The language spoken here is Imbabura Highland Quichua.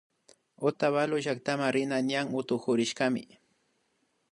Otavalo llaktama rina ñan utukurishkami